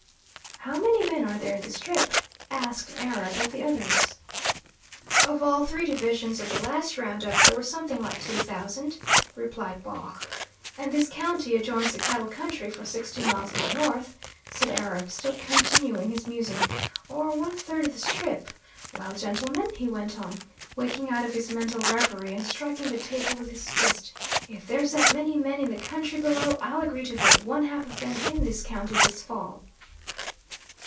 "How many men are there in the Strip?" asked Arab of the others. "On all three divisions of the last round up there were something like two thousand," replied Baugh. "And this county adjoins the Cattle Country for sixty miles on the north," said Arab, still continuing his musing, "or one third of the Strip. Well, gentlemen," he went on, waking out of his mental reverie and striking the table with his fist, "if there's that many men in the country below, I'll agree to vote one half of them in this county this fall."